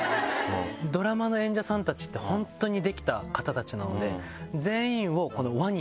ドラマの演者さんたちって本当にできた方たちなので。